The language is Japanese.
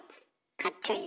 かっちょいい。